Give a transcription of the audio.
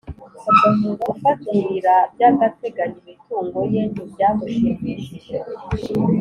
gufatira by’ agateganyo imitungo ye ntibyamushimishije